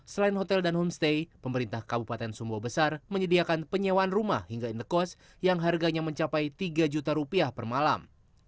selain hotel dan homestay pemerintah kabupaten sumba besar menyediakan penyewaan rumah hingga indekos yang harganya mencapai tiga juta rupiah per malam